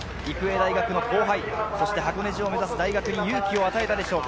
育英大学の後輩、そして箱根路を目指す大学に勇気を与えたでしょうか。